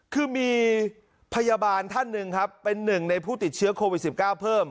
คือมีพยาบาลท่านหนึ่งครับเป็นหนึ่งในผู้ติดเชื้อโควิด๑๙เพิ่ม